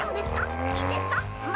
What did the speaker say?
いいんですか？